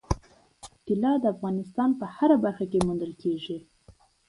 طلا د افغانستان په هره برخه کې موندل کېږي.